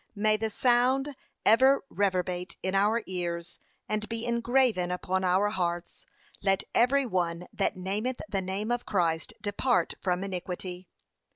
May the sound ever reverberate in our ears and be engraven upon our hearts, 'Let every one that nameth the name of Christ depart from iniquity.'